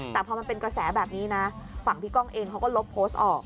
แต่พอมันเป็นกระแสแบบนี้นะฝั่งพี่ก้องเองเขาก็ลบโพสต์ออก